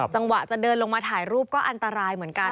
จังหวะจะเดินลงมาถ่ายรูปก็อันตรายเหมือนกัน